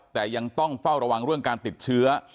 แต่ยังต้องเฝ้าระวังเรื่องการติดเชื้อ